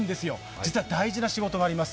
実は大事な仕事があります。